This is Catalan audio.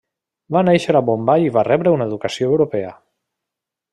Va néixer a Bombai i va rebre una educació europea.